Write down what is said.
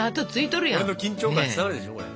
俺の緊張感伝わるでしょこれ。